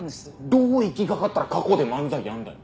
どう行きがかったら過去で漫才やんだよ。